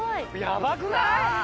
ヤバくない？